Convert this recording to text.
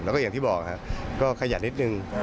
แล้วก็อย่างที่บอกครับก็ขยันนิดนึง